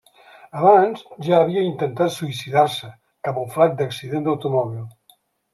Abans, ja havia intentat suïcidar-se, camuflat d'accident d'automòbil.